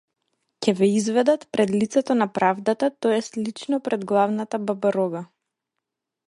Ќе ве изведат пред лицето на правдата то ест лично пред главната бабарога!